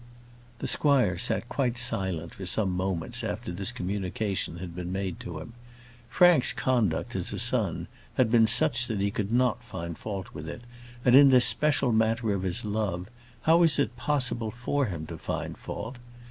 The squire sat quite silent for some moments after this communication had been made to him. Frank's conduct, as a son, had been such that he could not find fault with it; and, in this special matter of his love, how was it possible for him to find fault?